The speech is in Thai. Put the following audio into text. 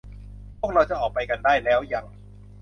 พวกเราจะออกไปกันได้แล้วยัง